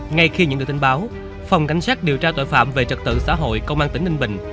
ngay khi nhận được tin báo phòng cảnh sát điều tra tội phạm về trật tự xã hội công an tỉnh ninh bình